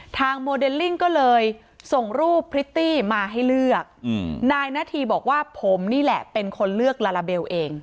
โมเดลลิ่งก็เลยส่งรูปพริตตี้มาให้เลือกนายนาธีบอกว่าผมนี่แหละเป็นคนเลือกลาลาเบลเอง